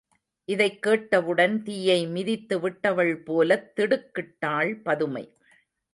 இதைக் கேட்டவுடன் தீயை மிதித்து விட்டவள் போலத் திடுக்கிட்டாள் பதுமை.